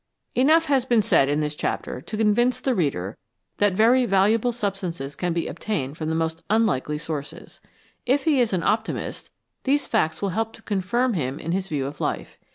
Enough has been said in this chapter to convince the reader that very valuable substances can be obtained from the most unlikely sources. If he is an optimist, these facts will help to confirm him in his view of life.